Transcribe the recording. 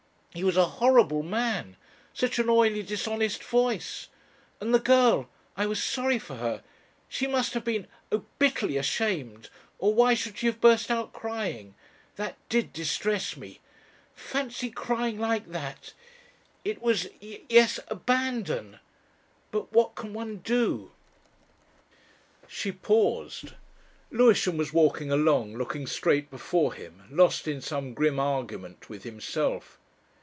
"He was a horrible man such an oily, dishonest voice. And the girl I was sorry for her. She must have been oh! bitterly ashamed, or why should she have burst out crying? That did distress me. Fancy crying like that! It was yes abandon. But what can one do?" She paused. Lewisham was walking along, looking straight before him, lost in some grim argument with himself.